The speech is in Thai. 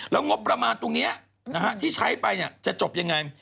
แล้วงบประมาณตรงนี้ที่ใช้ไปจะจบยังไง